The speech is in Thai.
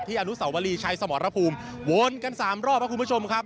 อนุสาวรีชัยสมรภูมิวนกันสามรอบครับคุณผู้ชมครับ